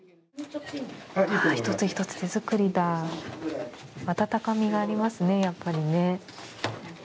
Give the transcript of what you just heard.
一つ一つ手作りだ、温かみがありますね、やっぱり。